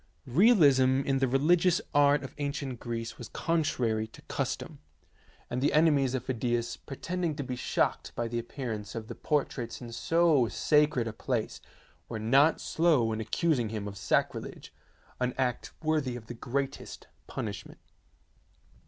Realism in the religious art of ancient Greece was contrary to custom, and the ene mies of Phidias, pretending to be shocked by the appearance of the portraits in so sacred a place, were not slow in accusing him of sacrilege, an act worthy of the greatest punishment.